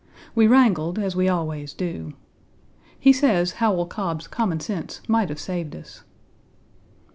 We wrangled, as we always do. He says Howell Cobb's common sense might have saved us.